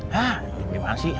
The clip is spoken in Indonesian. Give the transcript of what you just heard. hah memang sih